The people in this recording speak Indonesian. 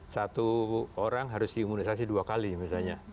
satu orang harus di imunisasi dua kali misalnya